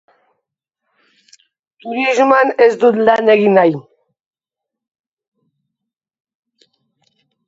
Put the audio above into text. Turismoan ez dut lan egin nahi.